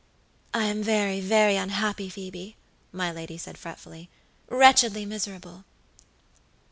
"I am very, very unhappy, Phoebe," my lady said, fretfully; "wretchedly miserable."